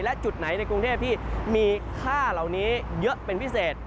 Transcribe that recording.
และจุดไหนในกรุงเทพที่มีค่าเหล่านี้เยอะเป็นพิเศษ